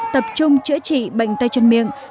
tập trung chữa trị bệnh tay chân miệng